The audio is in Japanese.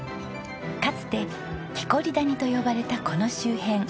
かつてキコリ谷と呼ばれたこの周辺。